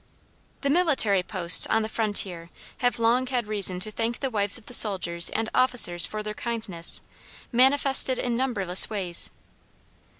The military posts on the frontier have long had reason to thank the wives of the soldiers and officers for their kindness, manifested in numberless ways.